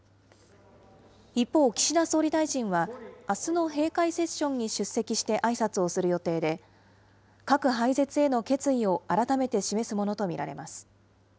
一方、岸田総理大臣はあすの閉会セッションに出席してあいさつをする予定で、核廃絶への決意を改めて示すものと見られます。